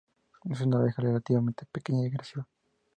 Es una abeja relativamente pequeña y agresiva.